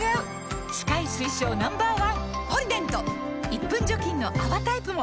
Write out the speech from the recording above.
１分除菌の泡タイプも！